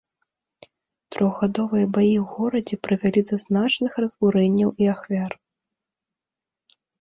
Трохгадовыя баі ў горадзе прывялі да значных разбурэнняў і ахвяр.